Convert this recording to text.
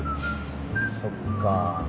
そっか。